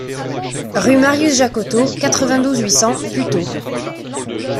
Rue Marius Jacotot, quatre-vingt-douze, huit cents Puteaux